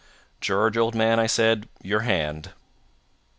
"'George, old man,' I said, 'your hand.'